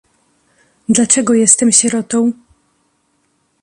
"Dlaczego jestem sierotą?"